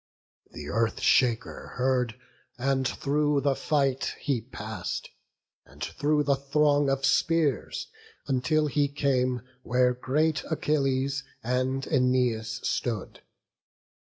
Th' Earth shaker heard; and thro' the fight he pass'd, And through the throng of spears, until he came Where great Achilles and Æneas stood.